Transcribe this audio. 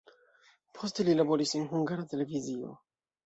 Poste li laboris en Hungara Televizio.